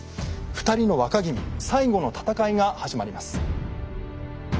２人の若君最後の戦いが始まります。